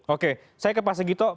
oke saya ke pas segitu